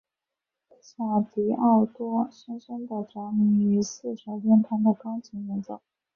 小狄奥多深深着迷于四手联弹的钢琴演奏。